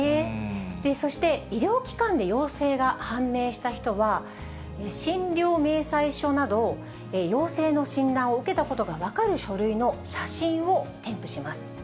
そして、医療機関で陽性が判明した人は、診療明細書など、陽性の診断を受けたことが分かる書類の写真を添付します。